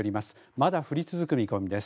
まだ降り続く見込みです。